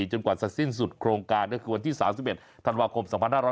จนกว่าจะสิ้นสุดโครงการก็คือวันที่๓๑ธันวาคม๒๕๖๐